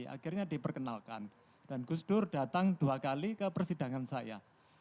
akhirnya diperkenalkan dan gus dur datang dua kali ke persidangan saya